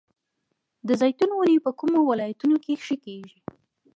د زیتون ونې په کومو ولایتونو کې ښه کیږي؟